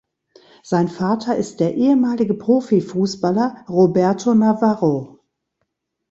Sein Vater ist der ehemalige Profifußballer Roberto Navarro.